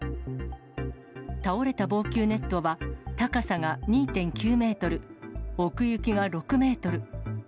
倒れた防球ネットは高さが２．９メートル、奥行きが６メートル。